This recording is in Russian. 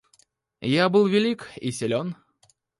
Я был велик и силён.